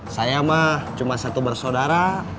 saya mah cuma satu bersaudara